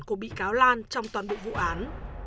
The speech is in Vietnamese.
của bị cáo lan trong toàn bộ vụ án